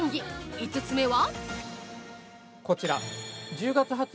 ５つ目は。